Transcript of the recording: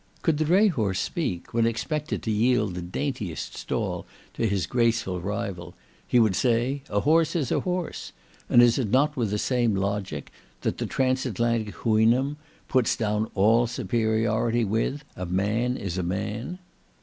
Could the dray horse speak, when expected to yield the daintiest stall to his graceful rival, he would say, "a horse is a horse;" and is it not with the same logic that the transatlantic Houynnhnm puts down all superiority with "a man is a man?"